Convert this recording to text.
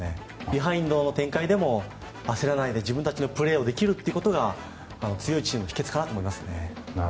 ビハインドの展開でも焦らないで自分たちのプレーをできることが強いチームの秘訣かなと思いますね。